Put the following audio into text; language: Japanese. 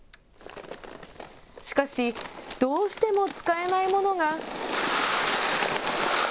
しかし、どうしても使えないものが。